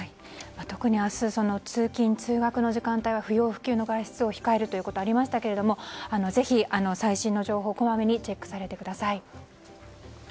特に明日通勤・通学の時間帯は不要不急の外出を控えるということがありましたけれどもぜひ最新の情報をこまめにチェックされてください。